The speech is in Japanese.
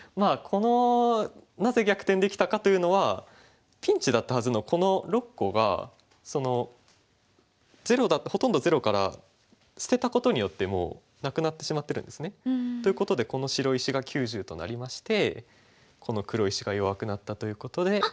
このなぜ逆転できたかというのはピンチだったはずのこの６個がほとんどゼロから捨てたことによってなくなってしまってるんですね。ということでこの白石が９０となりましてこの黒石が弱くなったということで。